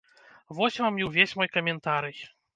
Вось вам і ўвесь мой каментарый.